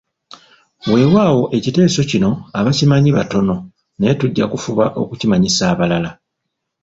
Weewaawo ekiteeso kino abakimanyi batono naye tujja kufuba okumanyisa abalala.